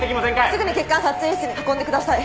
すぐに血管撮影室に運んでください。